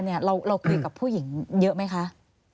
เราคุยกับผู้หญิงเยอะไหมคะ